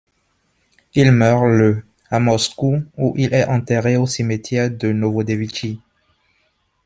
Il meurt le à Moscou, où il est enterré au cimetière de Novodevitchi.